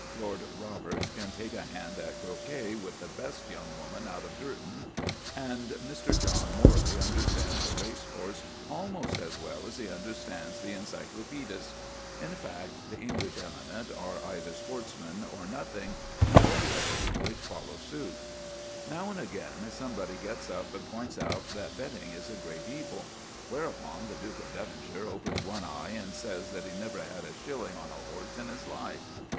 Lord Roberts can take a hand at croquet with the best young woman out of Girton, and Mr. John Morley understands a race horse almost as well as he understands the Encyclopædists. In fact, the English eminent are either sportsmen or nothing, and all the other English follow suit. Now and again somebody gets up and points out that betting is a great evil; whereupon the Duke of Devonshire opens one eye and says that he never had a shilling on a horse in his life.